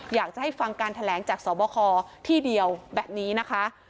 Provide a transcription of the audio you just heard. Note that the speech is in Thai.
อยากจะให้ฟังการแถลงจากสบคที่เดียวแบบนี้นะคะ